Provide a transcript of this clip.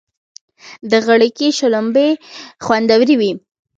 د غړکی شلومبی خوندوری وی.